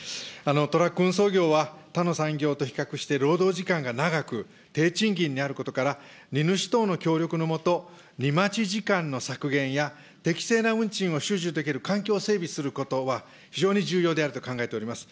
トラック運送業は、他の産業と比較して労働時間が長く、低賃金にあることから、荷主等の協力の下、荷待ち時間の削減や、適正な運賃を収受できる環境整備することは非常に重要であると考えております。